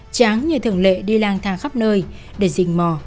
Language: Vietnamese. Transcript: tráng như thường lệ đi lang thang khắp nơi để dình mò